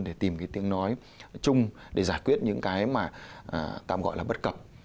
để tìm cái tiếng nói chung để giải quyết những cái mà tạm gọi là bất cập